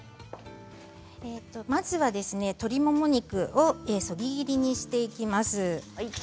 まずは鶏もも肉をそぎ切りにしていきます。